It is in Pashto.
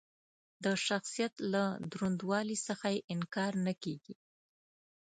د شخصیت له دروندوالي څخه یې انکار نه کېږي.